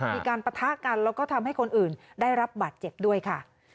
ปะทะกันแล้วก็ทำให้คนอื่นได้รับบาดเจ็บด้วยค่ะ